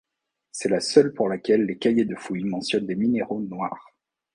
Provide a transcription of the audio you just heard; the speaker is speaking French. C'est la seule pour laquelle les cahiers de fouilles mentionnent des minéraux noirs.